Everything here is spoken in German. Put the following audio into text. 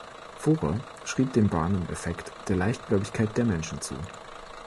Forer schrieb den Barnum-Effekt der Leichtgläubigkeit der Menschen zu.